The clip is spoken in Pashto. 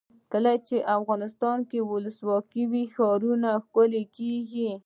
کله چې افغانستان کې ولسواکي وي ښارونه ښکلي کیږي.